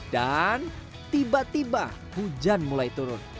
dan tiba tiba hujan mulai turun